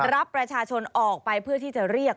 รับประชาชนออกไป